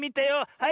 はい！